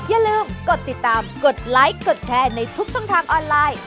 อย่าลืมกดติดตามกดไลค์กดแชร์ในทุกช่องทางออนไลน์